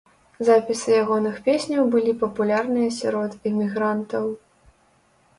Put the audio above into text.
Запісы ягоных песняў былі папулярныя сярод эмігрантаў.